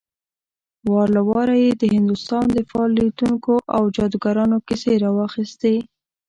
وار له واره يې د هندوستان د فال ليدونکو او جادوګرانو کيسې راواخيستې.